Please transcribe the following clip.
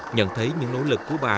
nhận thấy những nỗ lực của bà